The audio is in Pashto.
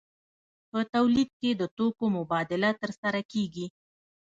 په تولید کې د توکو مبادله ترسره کیږي.